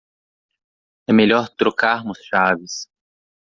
É melhor trocarmos chaves.